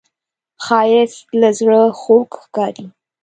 ښایست له زړه خوږ ښکاري